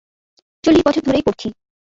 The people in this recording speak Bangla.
চল্লিশ বছর ধরেই পড়ছি।